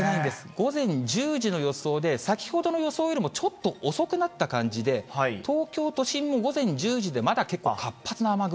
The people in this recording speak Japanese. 午前１０時の予想で、先ほどの予想よりも、ちょっと遅くなった感じで、東京都心も午前１０時で、まだ活発な雨雲。